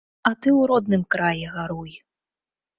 А ты ў родным краі гаруй.